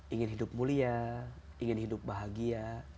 ingin hidup mulia ingin hidup bahagia